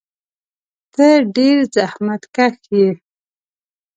ته ډېر زحمتکښ یې.